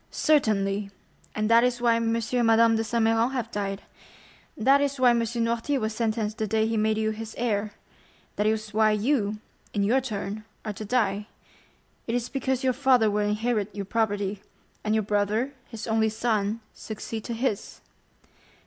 "Certainly; and that is why M. and Madame de Saint Méran have died; that is why M. Noirtier was sentenced the day he made you his heir; that is why you, in your turn, are to die—it is because your father would inherit your property, and your brother, his only son, succeed to his."